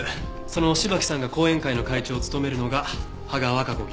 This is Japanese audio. その芝木さんが後援会の会長を務めるのが芳賀和香子